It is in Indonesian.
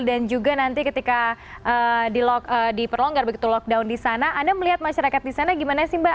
dan juga nanti ketika diperlonggar begitu lockdown di sana anda melihat masyarakat di sana gimana sih mbak